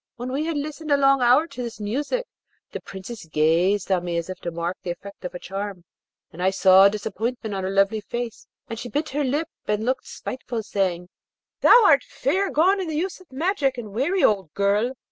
When we had listened a long hour to this music, the Princess gazed on me as if to mark the effect of a charm, and I saw disappointment on her lovely face, and she bit her lip and looked spiteful, saying, 'Thou art far gone in the use of magic, and wary, O girl!'